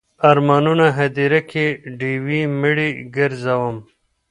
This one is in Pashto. د ارمانونو هدیره کې ډیوې مړې ګرځوم